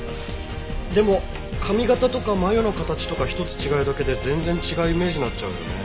でも髪形とか眉の形とか一つ違うだけで全然違うイメージになっちゃうよね。